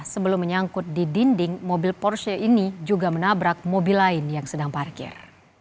sebelum menyangkut di dinding mobil porsche ini juga menabrak mobil lain yang sedang parkir